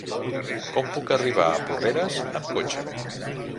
Com puc arribar a Porreres amb cotxe?